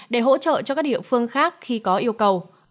để hỗ trợ cho các địa phương khác khi có yêu cầu